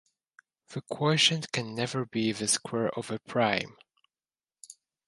The quotient can never be the square of a prime.